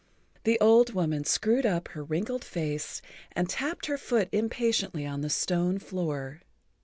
The old woman screwed up her wrinkled face and tapped her foot impatiently on the stone floor.